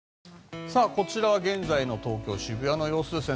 こちらは現在の東京・渋谷の様子ですね。